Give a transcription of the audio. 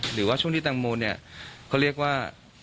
หรือว่าช่วงที่แตงโมเนี่ยเขาเรียกว่า